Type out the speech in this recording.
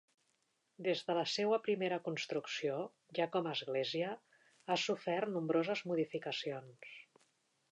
Des de la seua primera construcció, ja com a Església, ha sofert nombroses modificacions.